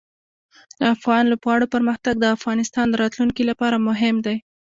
د افغان لوبغاړو پرمختګ د افغانستان راتلونکې لپاره مهم دی.